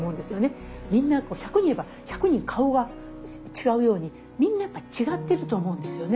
みんな１００人いれば１００人顔は違うようにみんなやっぱり違ってると思うんですよね。